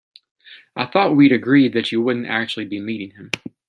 I thought we'd agreed that you wouldn't actually be meeting him?